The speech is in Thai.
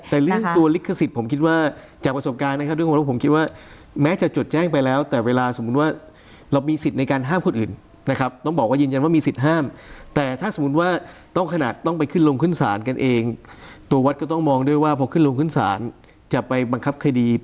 แต่เรื่องตัวลิขสิทธิ์ผมคิดว่าจากประสบการณ์นะครับด้วยความรู้ผมคิดว่าแม้จะจดแจ้งไปแล้วแต่เวลาสมมุติว่าเรามีสิทธิ์ในการห้ามคนอื่นนะครับต้องบอกว่ายืนยันว่ามีสิทธิ์ห้ามแต่ถ้าสมมุติว่าต้องขนาดต้องไปขึ้นลงขึ้นศาลกันเองตัววัดก็ต้องมองด้วยว่าพอขึ้นลงขึ้นศาลจะไปบังคับคดี